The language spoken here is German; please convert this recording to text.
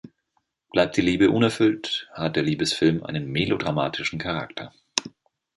Bleibt die Liebe unerfüllt, hat der Liebesfilm einen melodramatischen Charakter.